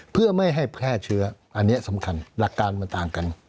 เพื่อไม่ให้แพร่เชื้ออันนี้สำคัญหลักการมันต่างกัน